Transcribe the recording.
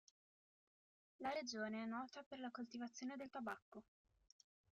La regione è nota per la coltivazione del tabacco.